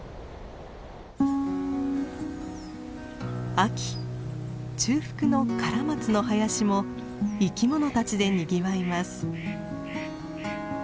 秋中腹のカラマツの林も生き物たちでにぎわいます。